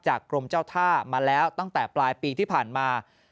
กรมเจ้าท่ามาแล้วตั้งแต่ปลายปีที่ผ่านมา